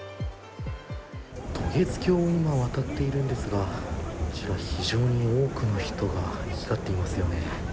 渡月橋を今渡っているんですがこちら非常に多くの人が行き交っていますね。